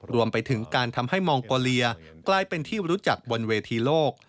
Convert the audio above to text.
รวมไปถึงการทำให้มองโกเลียกลายเป็นที่รู้จักบนเวทีโลก